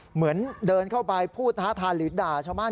เหมือนเดินเข้าไปพูดท้าทายหรือด่าชาวบ้าน